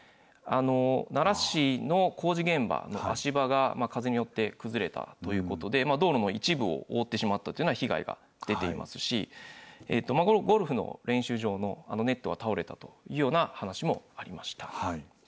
奈良市の工事現場の足場が風によって崩れたということで、道路の一部を覆ってしまったというような被害が出ていますし、ゴルフの練習場のネットが倒れたというような話もありました。